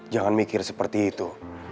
jangan mikir seperti itu